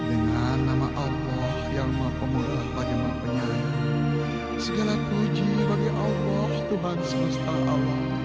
dengan nama allah yang maha pemudah bagi maha penyayang segala puji bagi allah tuhan semesta awal